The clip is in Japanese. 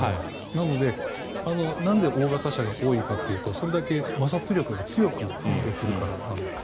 なので、なんで大型車が多いかというとそれだけ摩擦力が強く発生するからなんです。